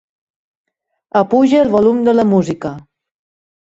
Apuja el volum de la música.